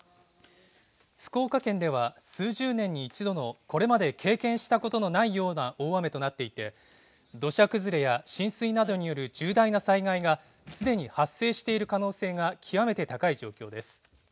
福岡県では、数十年に一度のこれまで経験したことのないような大雨となっていて、土砂崩れや浸水などによる重大な災害が、すでに発生している可能性が極めて高い状況です。